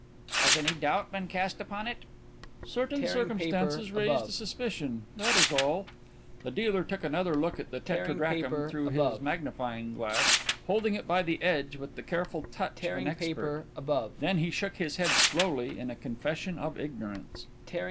"Has any doubt been cast upon it?" "Certain circumstances raised a suspicion that is all." The dealer took another look at the tetradrachm through his magnifying glass, holding it by the edge with the careful touch of an expert. Then he shook his head slowly in a confession of ignorance.